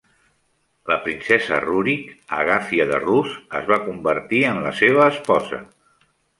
La princesa Rurik, Agafia de Rus, es va convertir en la seva esposa.